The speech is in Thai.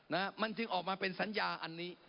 นะฮะมันจึงออกมาเป็นสัญญาอันนี้